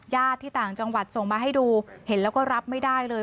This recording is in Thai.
ที่ต่างจังหวัดส่งมาให้ดูเห็นแล้วก็รับไม่ได้เลย